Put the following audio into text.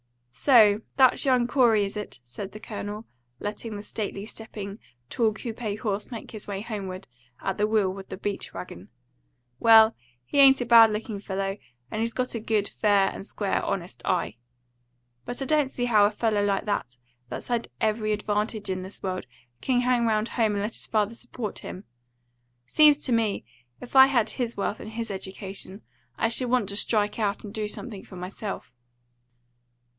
"So that's young Corey, is it?" said the Colonel, letting the stately stepping, tall coupe horse make his way homeward at will with the beach wagon. "Well, he ain't a bad looking fellow, and he's got a good, fair and square, honest eye. But I don't see how a fellow like that, that's had every advantage in this world, can hang round home and let his father support him. Seems to me, if I had his health and his education, I should want to strike out and do something for myself."